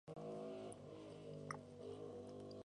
Éste les invitó a presenciar unos saltos.